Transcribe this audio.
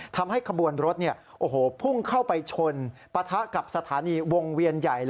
ทำให้ขบวนรถพุ่งเข้าไปชนปะทะกับสถานีวงเวียนใหญ่